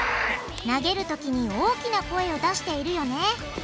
投げるときに大きな声を出しているよね